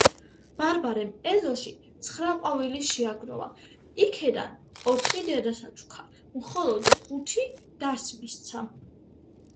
ბარბარემ ეზოში ცხრა ყვავილი შეაგროვა იქედან ოთხი დედას აჩუქა მხოლოდ ხუთი დას მისცა